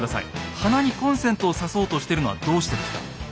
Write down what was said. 鼻にコンセントをさそうとしてるのはどうしてですか？